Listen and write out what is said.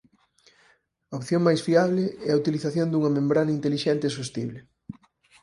A opción máis fiable é a utilización dunha membrana intelixente e sostible.